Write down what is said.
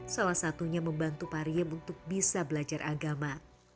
salah satunya membantu pariem untuk bisa belajar agama